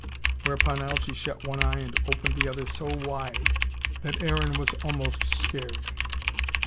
Whereupon Algy shut one eye and opened the other so wide, that Aaron was almost scared.